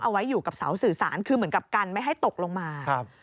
เอาไว้อยู่กับเสาสื่อสารคือเหมือนกับกันไม่ให้ตกลงมาครับ